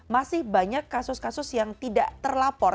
masih banyak kasus kasus yang tidak terlapor